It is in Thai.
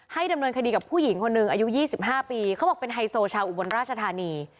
ดำเนินคดีกับผู้หญิงคนหนึ่งอายุ๒๕ปีเขาบอกเป็นไฮโซชาวอุบลราชธานี